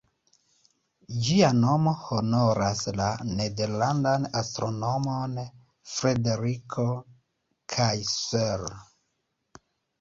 Ĝia nomo honoras la nederlandan astronomon Frederik Kaiser.